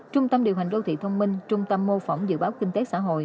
trung tâm điều hành đô thị thông minh trung tâm mô phỏng dự báo kinh tế xã hội